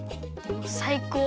さいこう。